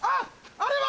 あれは！